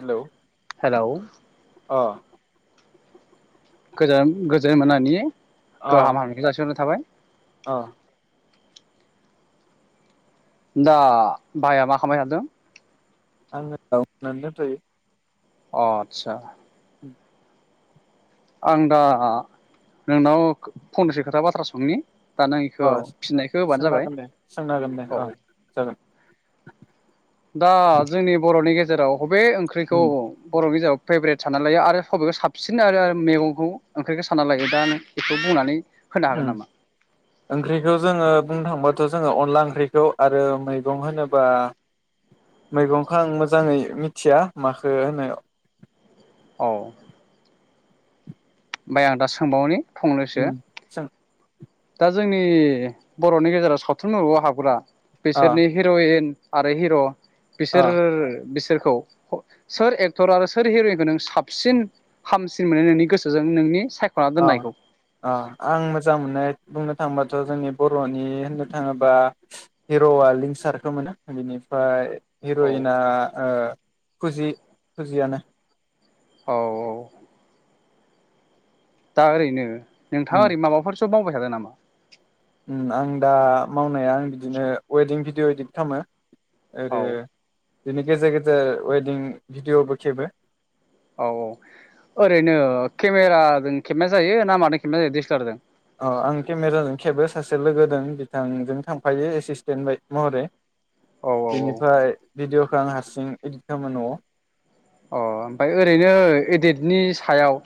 Hello हेल' अ गोजान गोजोन मोनानि अ गाहाम हामलायनाय जासिहरनाय थाबाय [inaudible] अ दा भाइया मा खालामबाय थादों? आङो दं नानै दोनथायायो अ आतसा [inaudible] आं दा नोंनाव फंनैसो खोथा बाथ्रा सोंनि दा नों अ इखौ फिननायखौ होबानो सोंनो जाबाय हागोन दे सोंनो हागोन दे औ जागोन दा जोंनि बर'नि गेजे जेराव बबे ओंख्रिखौ उम बर' बिजाबाव फेभरेट सानना लायो आरो सबेखौ साबसिन आरो मैगंखौ ओंख्रिखौ सानना लायो दा बेखौ बुंनानै होनो उम हागोन नामा ओंख्रिखौ जोङो बुंनो थांबाथ' जोङो अनला ओंख्रिखौ आरो मैगं होनोबा मैगंखौ आं मोजाङै मिथिया माखो होनो औ ओमफ्राय आं दा सोंबावनि फंनैसो ओम सों। दा जोंनि बर'नि गेजेराव सावथुन मुलुआव हाबग्रा अ बिसोरनि हिर'यिन आरो हिर' अ बिसोर खौ सोर एक्टर आरो सोर हिर'यनखौ नों साबसिन हामसिन मोनो नोंनि गोसोजों नोंनि सायख'ना अ दोननायखौ अ आं मोजां मोननाय बुंनो थांबाथ' जोंनि बर'नि होननो थाङोबा हिर'आ लिंसारखौ मोनो बिनिफ्राय औ हिर'यिन आ ओ फुजि फुजियानो। औ औ। दा ओरैनो उम नोंथाङा ओरै माबाफोरसो मावबाय। [unintelligible] नामा आं दा मावनाया आं बिदिनो वेदिं भिडिअ' इदिट खालामो। औ आरो। बिनि गेजेर गेजेर वेडिं भिडिअ'बो खेबो औ औ ओरैनो केमेराजों खेबनाय जायो ना माजों खेबनाय जायो डे एस एल र जों अ आं केमेराजों खेबो सासे लोगो दं बिथांजों थांफायो एसिसटेन्ट महरै। औ औ औ बेनिफ्राय भिडिय'खौ आं हारसिं एदित खालामाो न'आव। अ ओमफ्राय ओरैनो एडेटनि सायाव।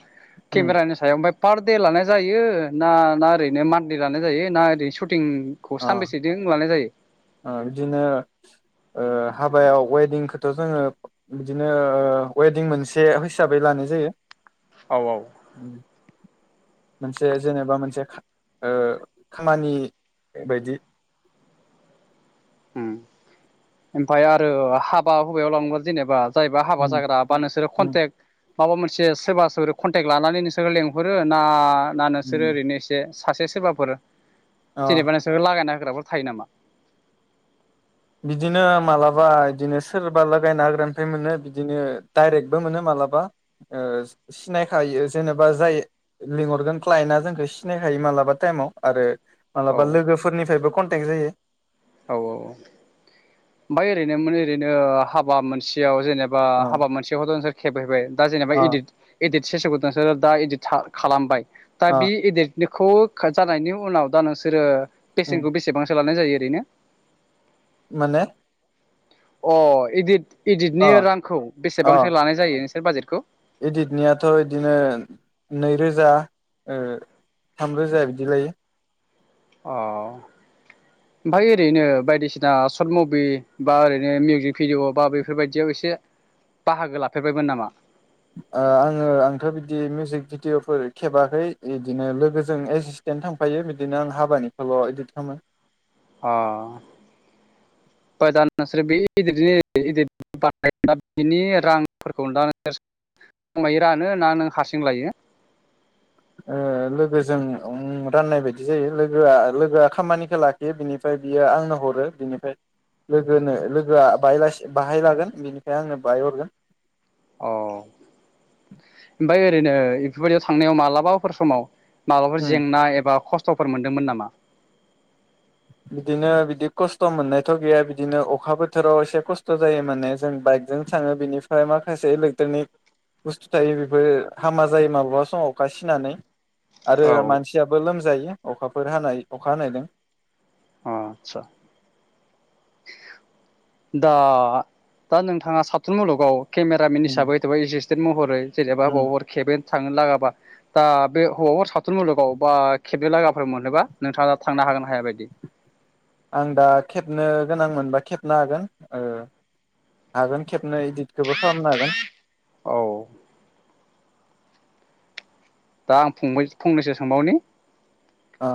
उम केमेरानि सायाव ओमफ्राय। पार दे लानाय जायो ना ना ओरैनो मान्थलि लानाय जायो ना ओरैनो सु सुटिंखौ ओरैनो अ सानबेसेजों लानाय जायो। बिदिनो हाबायाव वेदिंखौथ' जोङो बिदिनो वेदिं मोनसे हिसाबै लानाय जायो। औ औ। उम मोनसे जेनेबा मोनसे खामानि बायदि ओमफाय आरो हाबा हुबायाव लांङोबा जेनेबा जायबा हाबा उम जाग्रा बा नोंसोरो उम कनटेक। माबा मोनसे सोरबा सोर कन्टेक्ट लानानै नोंसोरो लेंहरो ना ना नोंसोरो उम ओरैनो एसे सासे सोरबाफोर अ जेरैबा नोंसोरो लागायना। होग्राफोर थायो नामा? बिदिनो मालाबा बिदिनो सोरबा लागायना होग्रानिफ्राय मोनो बिदिनो दडाइरेक्टबो मोनो मालाबा ओ सिनायखायो जेनेबा जाय लिंहरगोन क्लाइन्टा जोंखौ सिनायखायो मालाबा टाइमाव आरो औ मालाबा लोगोफोरनिफ्रायबो कन टेग जायो औ औ ओमफ्राय ओरैनोमोन ओरैनो हाबा मोनसेयाव जेनेब बा अ हाबा मोनसेयावथ' नोंसोर खेबहैबाय दा जेनेबा अ इदिट इदिट सेसेवखौ नोंसोरो दा इदिट खालामबाय दा अ बि इदिट बेखौ जानायनि उनाव दा नोंसोरो उम बेसेनखौ बेसेबांसो ला नाय जायो ओरैनो माने अ इदिट अ इदिटनि रांखौ अ बेसेबांसो लानाय जायो बाजेटखौ इदिटनियाथ' बिदिनो नैरोजा ओ थामरोजा बिदि लायो अ ओमफ्राय ओरैनो बायदिसिना सर्ट मुभि बा ओरैनो मिउजिक भिडिअ' बा बेफोरबायदियाव एसे बाहागो लाफेरबायमोन नामा आङो आंथ' बिदि मिउजिक भिडिअ'फोर खेबाखै बिदिनो लोगोजों एसिसटेन्ट थांफायो बिदिनो आं हाबानिखौल' इदिट खालामो अ ओमफ्राय दा नोंसोर बे इदिटजि इदिट बानायबा बिनि रांफोरखौ दा नोंसोर बबायो रानो ना नों हारसिं लायो ओ लोगोजों राननाय बायदि जायो लोगोआ लोगोआ खामानिखौ लाखियो बिनिफ्राय बियो आंनो हरो बिनिफ्राय लोगोनो लोगोआ बायलासि बाहाय लागोन बिनिफ्राय आंनो बायो हरगोन औ ओमफ्राय ओरैनो बेफोरबायदियाव थांनायाव मालाबाफोर समाव माबाफोर उम जेंना एबा खस्थ' थफोर मोनदोंमोन नामा? बिदिनो बिदि खस्थ' मोननायथ' गैया बिदिनो अखा बोथोराव एसे खस्थ' जायो माने जों बाइकजों थाङो बिनिफ्राय माखासे इलेक्ट्रनिक बुस्थु थायो बेफोर हामा जायो माब्लाबा समाव अखा सिनानै आरो औ मानसियाबो लोमज जायो अखाफोर हानाय अखा हानायजों अ आतसा दा दा नोंथाङा सावथुन मुलुगाव केमेरामेन उम हिसाबै थेवबो एसिस टेन महरै जेनेबा उम बबाव अबाव खेबेन थांनो लागाबा दा बे हौर सावथुन मुलुगाव बा खेबनो लागाफोर मोनोबा नोंथाङा थांनो हागोन हाया बे बायदि आं दा खेबनो गोनां मोनबा खेबनो हागोन ओ हागोन खेबनो इदिटखौबो खालामनो हागोन औ दा आं फंबाय फंनैसो सोंबावनि अ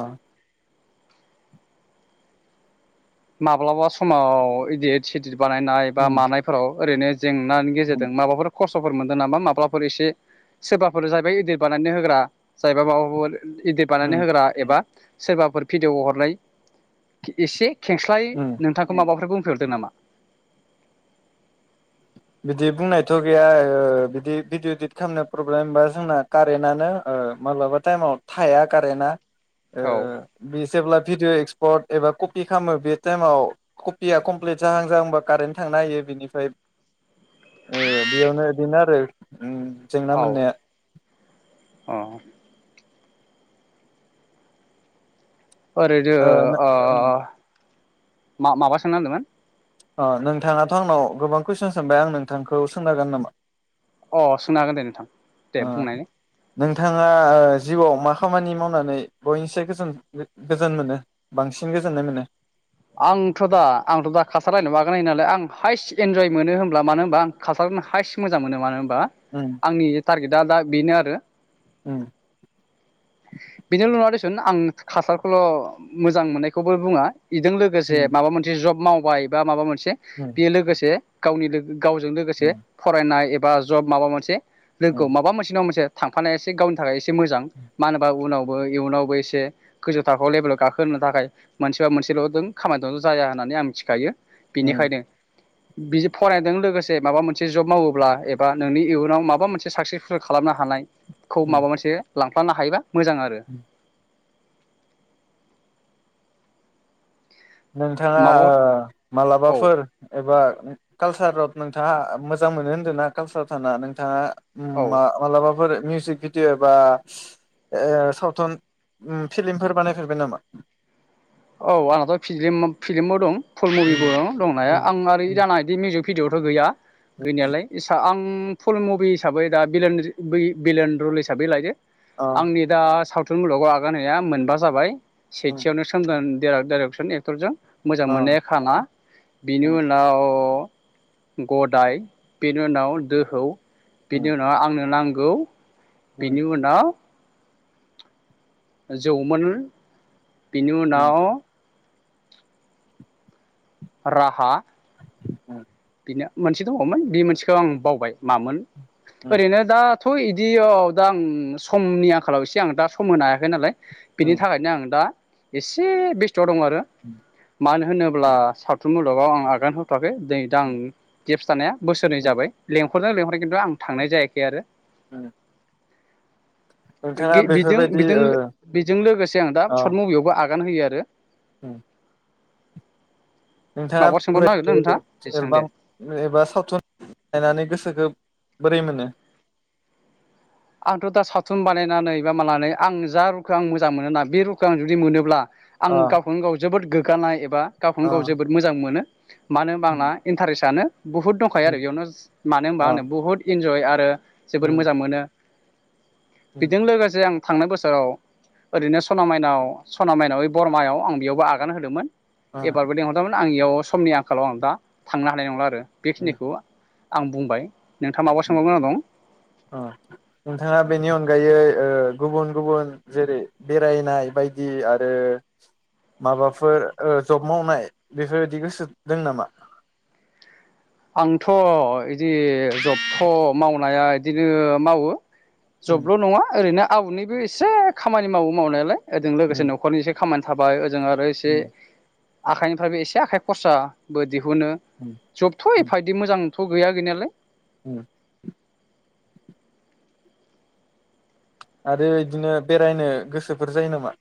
माब्लाबा समाव इदिट सिदिर बानायनाय बा उम मानायफोराव ओरैनो जेंनानि गेजेरजों माबाफोर खस्थ' फोर मोनदों नामा माब्लाफोर एसे सोरबाफोर जाहैबाय इदित बानायनो होग्रा जाहैबाया माबाफोर इदित बानायनानै उम होग्रा एबा सोरबाफोर भिडिअ हरनाय एसे खेंस्लाय उम नोंथांखौ माबाफोरफोरखौ बुं रदो नामा? बिदि बुंनायथ' गैया ओ बिदि भिडिअ इदित खालामनो प्रब्लेम बा जोंना कारेन्टनो माब्लाबा टाइमाव थाया कारेन्टा। ओ औ बे जेब्ला भिडिअ एक्सपार्ट एबा कपि खालामो बे टाइमाव कपिया कमप्लिट जाहां जाहांबा कारेन्ट थांनो हायो बेनिफ्राय ओ बेयावनो बिदिनो आरो उम जेंना औ मोननाया अ ओरैदो ओ मा माबा सोंनो होनदोमोन? ओ नोंथाङाथ' आंनाव गोबां कुइसनस सोंबाय आं नोंथांखौ सोंनो हागोन नामा? अ सोंनो हागोन दे नोंथां। दे ओ बुंनायनाय। नोंथाङा ओ जिउआव मा खामानि मावनानै बयनिसाय गोजोन गोजोन मोनो बांसिन गोजोननाय मोनो? आंथ' दा आंथ' दा खासार रायनो मागोन नालाय आं हाइस्ट इन्जय मोनो होनब्ला मानो होनबा आं खासारनो हाइेस्ट मोजां मोनो मानो होनबा बा उम आंनि टारगेटआ दा बेनो आरो। उम बिनिल' नङा देसुन आं खासारखौल' मोजां मोननायखौबो बुङा। इजों लोगोसे उम माबा मोनसे जब माव वाय बा माबा मोनसे दे उम बेयो लोगोसे गावनि लोगो गावजों लोगोसे फरायनाय एबा बा जब माबा मोनसे लोगोआव उम माबा मोनसे नङा मोनसे थांफानाया एसे गावनि थाखाय एसे मोजां मानो उनावबो इयुनावबो एसे गोजौ थाखोआव लेभेलाव गाखोनो थाखाय मोनसेबा मोनसेल' दोन खामानि दोल' जाया होननानै आं मिथिखायो। उम बिनिखायनो बिदि फरायनायजों लोगोसे माबा मोनसे जब मावोब्ला एबा नोंनि इयुनाव माबा मोनसे साक्सेसफुल खालामनो हानाय खौ उम माबा मोनसे लांफ्लानो हायोबा मोजां आरो उम नोंथाङा माबा ओ औ मालाबाफोर एबा ओ‌ कालसाराव नोंथाङा मोजां मोनो होन्दों ना कालसाराव थाना नोंथाङा उम मा औ मालाबाफोरो मिउजिक भिडिअ बा ओ सावथुन उम फिल्मफोर बानायफेरबाय नामा? औ आंहाथ‌ फिलिम फिलिमबो दं। फुल उम मुभिबो दं दंनाया उम आं ओरो इ उम दाना बिदि मिउजिक भिदिअ थ‌' गैया। गैनायालाय एसां उम फुल मुभि हिसाबै दा बिलिन बै बिलेन रल हिसाबै लायो। अ आंनि दा साव थुन मुलुगाव आगान होया मोनबा जाबाय। उम सेथियावनो दियार डाइरेक्सन एक्टरजों मोजां अ मोननाया खाना बिनि उम उनाव गदाय बेनि उनाव दोहौ बिनि उम उनाव आंनो नां गौ उम बेनि उनाव जौमोन बिनि उम उनाव राहा [unintelligible] नो मोनसे दङमोन बे मोनसेखौ आं बावबाय मामोन उम ओरैनो दा थ' इदियाव दा आं समनि आंखालाव एसे आं दा सम होनो हायाखै नालाय। बेनि उम थाखायनो आं दा एसे बेस थ' दं आरो मानो होनोब्ला सावथुन मुलुगाव आं आगान होथ'वाखै नै दा आं गेप्स थानाया बोसोरनै जाबाय लें हरो लेंहरो खिन्थु आं थांनाय जायाखै आरो उम गि बिजों बिजों ओ बिजों लोगोसे आं दा शत मुभियावबो आगा आगान होयो आरो। ओम माबा नोंथाङा सोंबावनो नागिरदों नोंथाङा दे [unintelligible] सों दे एलबाम एबा सावथुन नायनानै गोसोखो बोरै मोनो आंथ दा सावथुन बानायनानै बा मानानै आं जा रुखो आं मोजां मोनोना बे रुखो आं जुदि मोनोब्ला अ आं गावखोनो गाव जोबोद गोग गानाय एबा अ गावखोनो गाव जोबोद मोजां मोनो। मानो ओनबा आंना इनथारेसआनो बुहुत दंखायो आरो इयावनो स मानो होनबा अ आंनो बुहुत इन्ज जय आरो जोबोर मोजां मोनो। बेजों लोगोसे आं थांनाय बोसोराव ओरैनो सना माइनाव सना माइनाव ओइ बरमायाव आं बेयावबो आगान होदोंमोन। अ एबारबो लेंहरदोंमोन। आं इयाव समनि आंखालाव आं दा थांनो हानाय नंला आरो बेखिनिखौ आं बुंबाय। नोंथाङा माबा अ सोंबावगोनां दं? नोंथाङा बेनि अनगायै ओ गुबुन गुबुन जेरै बेरायनाय बायदि आरो माबाफोर ओ जब मावनाय बेफोरबायदि गोसो दों नामा? आंथ इदि जबख मावनाया इदिनो मावो। जबल नङा ओरैनो आउदनिबो इसे खामानि मावो। मावनायालाय ओजों लोगोसे न'खरनि एसे खामा थाबाय। जों आरो एसे आखाइनिफ्रायबो एसे आखाइ खरसा बो दिहुनो जब थ एफा इदि मोजां आंथ गैया गैनायालाय उ आरो इदिनो बेरायनो गोसोफोर जायो नामा?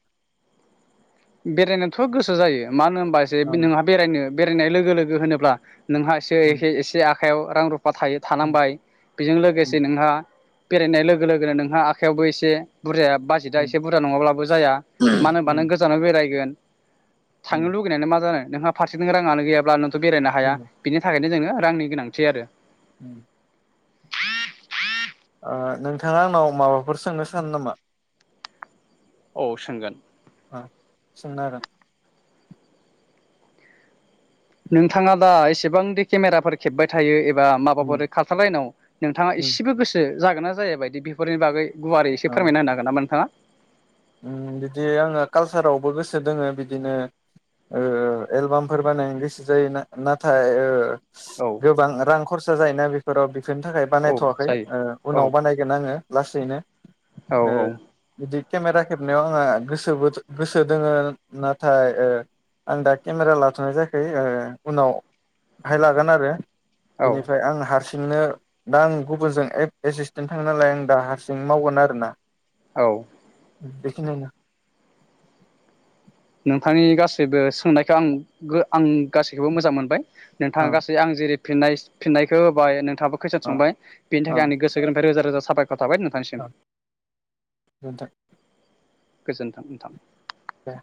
बेरायनोथ गोसो जायो। मानो ओमबा एसे बे नोंहा बेरायनो बेरायनाय लोगो लोगो होनोब्ला नोंहा एसे एखे एसे आ खायाव रां रु फा थायो थानांबाय। बेजों लोगोसे नोंहा बेरायनाय लोगो लोगोनो नोंहा आखयावबो एसे बुरजाया बाजेटआ उम एसे बुरजा नङाब्लाबो जाया। उम मानो उम होनब्ला बेरायगोन थांनो उम लुुबैनायालाय मा जानो। नोंहा फारसेथिं रांङानो गैयाब्ला नों थ' बेरायनो हाया। बिनि थाखायनो जोङो रांनि गोनांथि आरो। उम। ओ नोंथाङा आंनाव माबाफोर सोंनो सानो नामा? औ सोंगोन। ओ सोंनो हागोन। नोंथाङा दा एसेबांदि केमेराफोर खेबबाय थायो एबा माबाफोर उम काल्सार लाइनाव नोंथाङा उम एसेबो गोसो जागोन ना जाया बायदि बेफोरनि बागै गुवारै अ एसे फोरमायना हागोन ना नोंथाङा? उम बिदि आङो कालसारावबो गोसो दोङो बिदिनो ओ एलबामफोर बानायनो गोसो जायो। ना-नाथाय ओ औ गोबां रां खरसा जायोना बे फोराव बेनि थाखाय औ बानायथ'वाखै जायो ओ औ उनाव बानायगोन आङो लासैनो। ओ औ बिदि केमेरा खेबनायाव आंहा गोसोबो गोसो दोङो नाथाय ओ आं दा केमेरा लाथ'नाय जायाखै ओ उनावहाय लागोन आरो। औ बेनिफ्राय आं हार सिंनो दा आं गुबुनजों ए-एसिसटेन्ट थाङो नालाय आं दा हारसिं मावगोन आरोना। औ। बेखिनियानो। नोंथांनि गासैबो सोंनायखौ आं गो आं गासैखौबो मोजां मोनबाय। अ नोंथाङा गासै आं जेरै फिननाय फिननायखौ होबाय नों थाङाबो खुईसन अ सोंबाय बेनि अ थाखाय आंनि गोसो गोरबोनिफ्राय रोजा रोजा साबाय आसा थाबाय नोंथांनिसिम। अ गोजोनथों गोजोन्थों नोंथां। दे